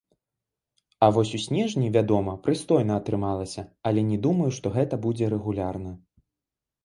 А вось у снежні, вядома, прыстойна атрымалася, але не думаю, што гэта будзе рэгулярна.